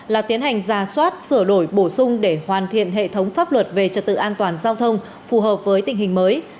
là tiến hành ra soát sửa đổi bổ sung để hoàn thiện hệ thống pháp luật về trật tự an toàn giao thông phù hợp với tình hình mới